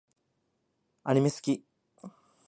アニメ好き